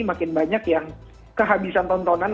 makin banyak yang kehabisan tontonan